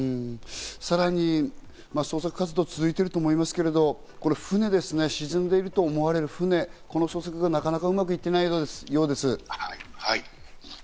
さらに捜索活動が続いてると思いますけど、船ですね、沈んでいると思われる船、この捜索がなかなかうまくいっていないようです。